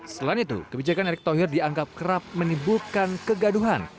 selain itu kebijakan erick thohir dianggap kerap menimbulkan kegaduhan